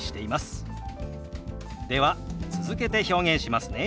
では続けて表現しますね。